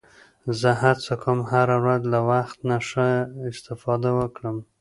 زه هڅه کوم هره ورځ له وخت نه ښه استفاده وکړم